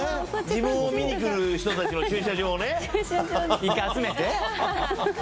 自分を見に来る人たちの駐車場ね駐車場に１回集めて？